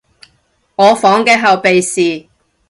我房嘅後備匙